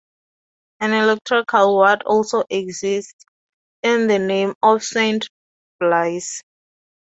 An electoral ward also exists in the name of Saint Blaise.